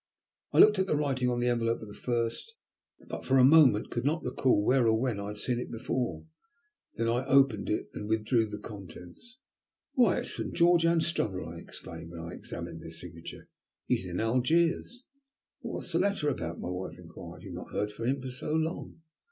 I looked at the writing upon the envelope of the first, but for a moment could not recall where or when I had seen it before. Then I opened it and withdrew the contents. "Why, it's from George Anstruther," I exclaimed when I had examined the signature. "He is in Algiers." "But what is the letter about?" my wife inquired. "You have not heard from him for so long."